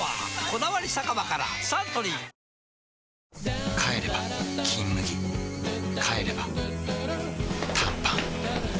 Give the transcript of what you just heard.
「こだわり酒場」からサントリー帰れば「金麦」帰れば短パン